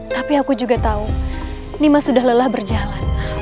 tapi aku juga tahu nima sudah lelah berjalan